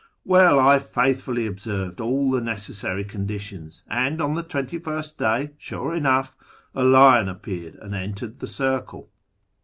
Well, I faithfully observed all the necessary condi tions, and on the twenty first day, sure enough, a lion appeared and entered the circle.